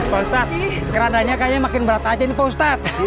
pak ustadz kerandanya kayaknya makin berat aja nih pak ustadz